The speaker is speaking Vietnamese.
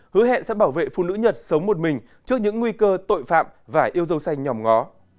hứa hẹn sẽ bảo vệ phụ nữ nhật sống một mình trước những nguy cơ tội phạm và yêu du xanh nhòm ngó